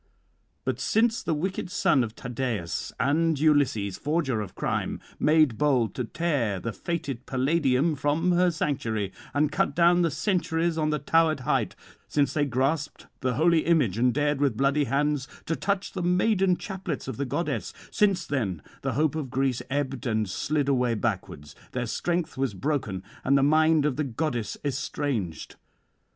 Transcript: But since the wicked son of Tydeus, and Ulysses, forger of crime, made bold to tear the fated Palladium from her sanctuary, and cut down the sentries on the towered height; since they grasped the holy image, and dared with bloody hands to touch the maiden chaplets of the goddess; since then the hope of Greece ebbed and slid away backwards, their strength was broken, and the mind of the goddess estranged.